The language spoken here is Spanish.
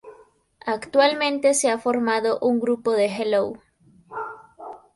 Actualmente se ha formado un grupo de Hello!